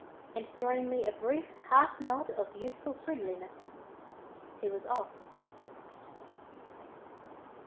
And throwing me a brief half nod of youthful friendliness he was off.